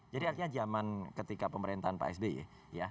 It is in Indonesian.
jadi artinya zaman ketika pemerintahan pak sd ya